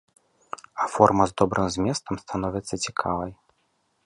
А форма з добрым зместам становіцца цікавай.